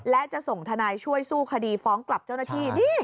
และจะส่งทนายช่วยสู้คดีฟ้องกลับเจ้าหน้าที่